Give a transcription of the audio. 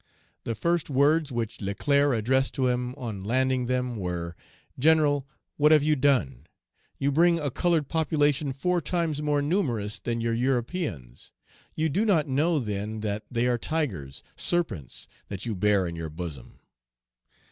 The first words which Leclerc addressed to him on landing them were, "General, what have you done? You bring a colored population four times more numerous than your Europeans; you do not know then that they are tigers, serpents, that you bear in your bosom."